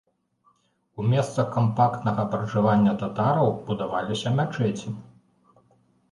У месцах кампактнага пражывання татараў будаваліся мячэці.